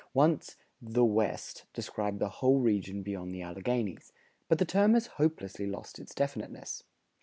Once "the West" described the whole region beyond the Alleghanies; but the term has hopelessly lost its definiteness.